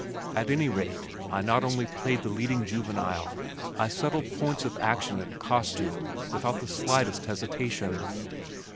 At any rate, I not only played the leading juvenile, I settled points of action and costume without the slightest hesitation.